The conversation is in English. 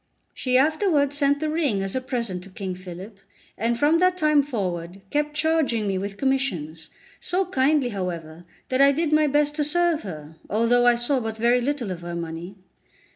She afterwards sent the ring as a present to King Philip, and from that time forward kept charging me with commissions, so kindly, however, that I did my best to serve her, although I saw but very little of her money.